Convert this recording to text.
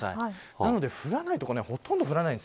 なので降らない所はほとんど降らないんです。